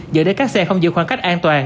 dựa để các xe không giữ khoảng cách an toàn